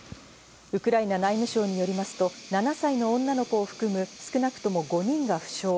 ウクライナ内務省によりますと、７歳の女の子を含む少なくとも５人が負傷。